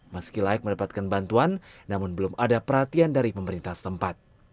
meski layak mendapatkan bantuan namun belum ada perhatian dari pemerintah setempat